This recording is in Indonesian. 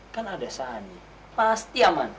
kan ada sani pasti aman